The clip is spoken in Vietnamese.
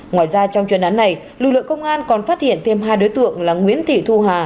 ngoài ra trong chuyên án này lực lượng công an còn phát hiện thêm hai đối tượng là nguyễn thị thu hà